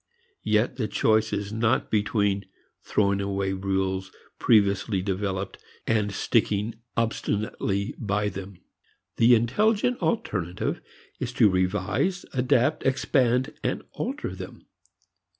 Yet the choice is not between throwing away rules previously developed and sticking obstinately by them. The intelligent alternative is to revise, adapt, expand and alter them.